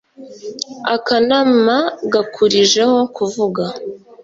akanama gakurijeho kuvuga